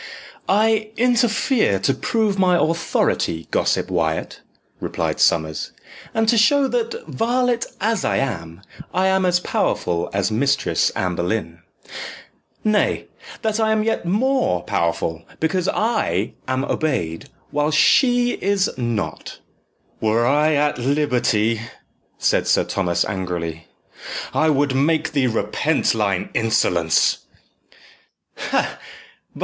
"I interfere to prove my authority, gossip Wyat," replied Sommers, "and to show that, varlet as I am, I am as powerful as Mistress Anne Boleyn nay, that I am yet more powerful, because I am obeyed, while she is not." "Were I at liberty," said Sir Thomas angrily, "I would make thee repent thine insolence."